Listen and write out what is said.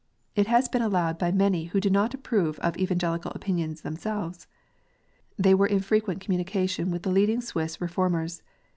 It has been allowed by many who do not approve of Evangelical opinions themselves. They were in frequent communication with the leading Swiss Reformers.